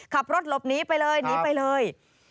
ขับรถหลบหนีไปเลยหนีไปเลย